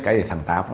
cái thằng táp